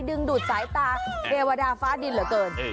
ดึงดูดสายตาเทวดาฟ้าดินเหลือเกิน